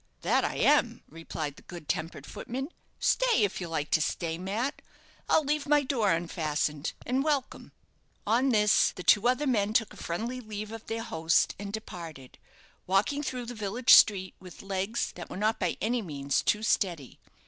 "That I am," replied the good tempered footman. "Stay, if you like to stay, Mat. I'll leave my door unfastened, and welcome." On this, the two other men took a friendly leave of their host and departed, walking through the village street with legs that were not by any means too steady.